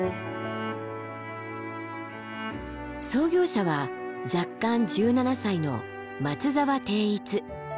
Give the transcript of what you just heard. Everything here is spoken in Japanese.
創業者は弱冠１７歳の松沢貞逸。